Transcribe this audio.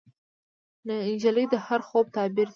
نجلۍ د هر خوب تعبیر ده.